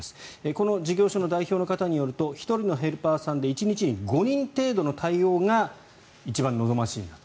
この事業所の代表の方によると１人のヘルパーさんで１日に５人程度の対応が一番望ましいんだと。